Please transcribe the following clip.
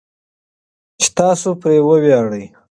چې تاسو پرې وویاړئ.